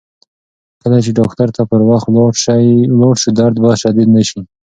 کله چې ډاکتر ته پر وخت ولاړ شو، درد به شدید نه شي.